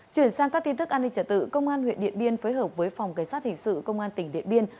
chuyển sang các tin tức an ninh trả tự công an huyện điện biên phối hợp với phòng cảnh sát hình sự công an tỉnh điện biên